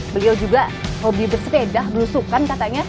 beliau juga hobi bersepeda berusukan katanya